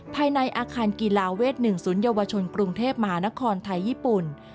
ภายในอาคารกีฬาเวท๑๐เยาวชนกรุงเทพมหานครไทยญี่ปุ่น